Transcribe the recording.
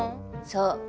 そう。